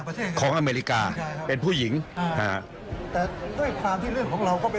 ต่างประเทศของอเมริกาเป็นผู้หญิงฮะแต่ด้วยความที่เรื่องของเราก็เป็น